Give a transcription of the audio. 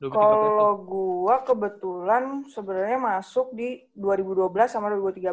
kalau gue kebetulan sebenarnya masuk di dua ribu dua belas sama dua ribu tiga belas